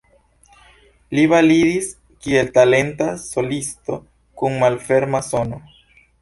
Li validis kiel talenta solisto kun malferma sono.